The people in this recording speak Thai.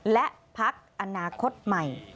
และพักอนาคตใหม่